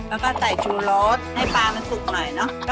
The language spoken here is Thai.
แล้วก็ใส่ชูรสให้ปลามันสุกหน่อยเนอะ